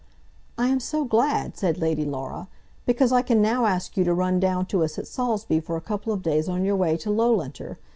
"I am so glad," said Lady Laura, "because I can now ask you to run down to us at Saulsby for a couple of days on your way to Loughlinter.